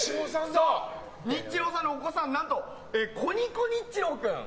ニッチローさんのお子さんコニコニッチロー君。